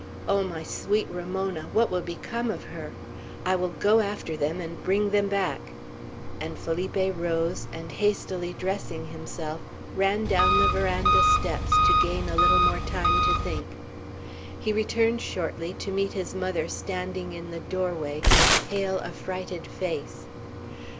Oh, my sweet Ramona! what will become of her? I will go after them, and bring them back;" and Felipe rose, and hastily dressing himself, ran down the veranda steps, to gain a little more time to think. He returned shortly, to meet his mother standing in the doorway, with pale, affrighted face.